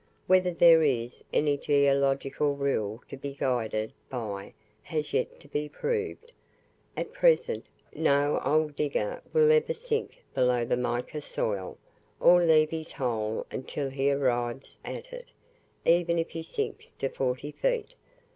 Whether there is any geological rule to be guided by has yet to be proved, at present no old digger will ever sink below the mica soil, or leave his hole until he arrives at it, even if he sinks to forty feet.